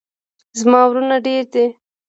زما ورونه ډیر دي